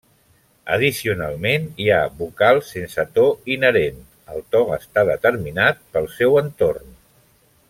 Addicionalment hi ha vocals sense to inherent, el to està determinat pel seu entorn.